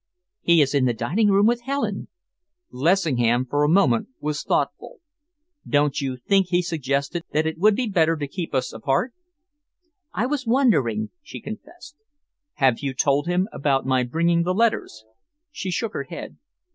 "He is in the dining room with Helen." Lessingham for a moment was thoughtful. "Don't you think," he suggested, "that it would be better to keep us apart?" "I was wondering," she confessed. "Have you told him about my bringing the letters?" She shook her head.